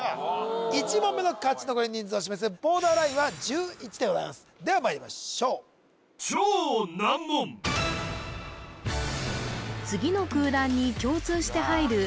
１問目の勝ち残り人数を示すボーダーラインは１１でございますではまいりましょう次の空欄に共通して入る